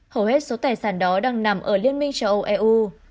hầu hết số tài sản đó đang nằm ở liên minh châu âu eu